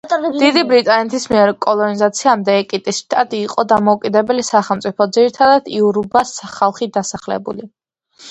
დიდი ბრიტანეთის მიერ კოლონიზაციამდე ეკიტის შტატი იყო დამოუკიდებელი სახელმწიფო, ძირითადად იორუბას ხალხით დასახლებული.